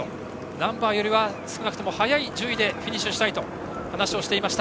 ナンバーよりは少なくとも早い順位でフィニッシュしたいと話をしていました。